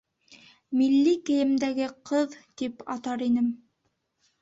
«Милли кейемдәге ҡыҙ» тип атар инем.